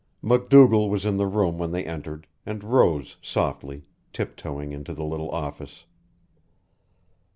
MacDougall was in the room when they entered, and rose softly, tiptoeing into the little office.